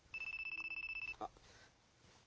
あっ。